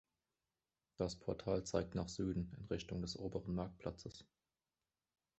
Das Portal zeigt nach Süden, in Richtung des oberen Marktplatzes.